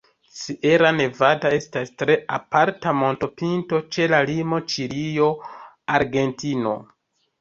Sierra Nevada estas tre aparta montopinto ĉe la limo Ĉilio-Argentino.